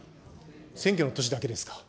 選挙の年だけですか。